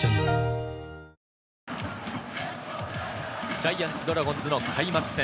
ジャイアンツ、ドラゴンズの開幕戦。